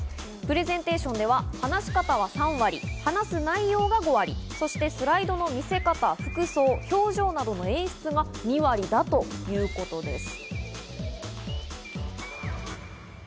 プレゼンテーションでは話し方は３割、話す内容が５割、そしてスライドの見せ方、服装、表情などの演出が２割だということです。